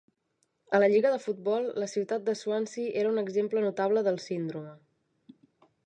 A la lliga de futbol, la ciutat de Swansea era un exemple notable del síndrome.